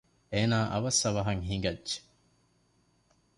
އޭނާ އަވަސް އަވަހަށް ހިނގައްޖެ